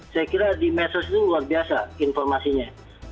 saya kira di medsos itu luar biasa informasinya